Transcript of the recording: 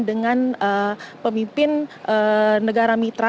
dengan pemimpin negara mitra